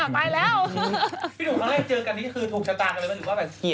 พี่หนุ่มครั้งแรกเจอกันนี้คือถูกชะตากเลย